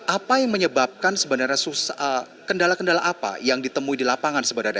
apa yang menyebabkan sebenarnya kendala kendala apa yang ditemui di lapangan sebenarnya